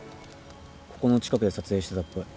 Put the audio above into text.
ここの近くで撮影してたっぽい。